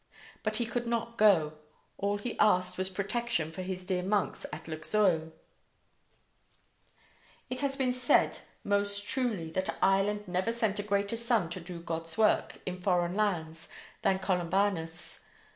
But he could not go; all he asked was protection for his dear monks at Luxeuil. It has been said most truly that Ireland never sent a greater son to do God's work in foreign lands than Columbanus.